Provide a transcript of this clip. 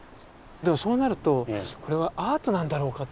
でもそうなるとこれはアートなんだろうかと。